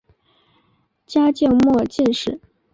嘉靖末进士。